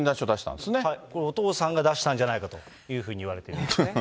これ、お父さんが出したんじゃないかというふうにいわれています。